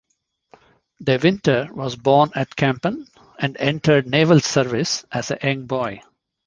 De Winter was born at Kampen, and entered naval service as a young boy.